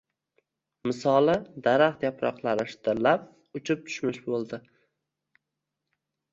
Misoli, daraxt yaproqlari shitirlab uchib tushmish bo‘ldi.